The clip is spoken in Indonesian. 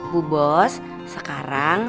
bu bos sekarang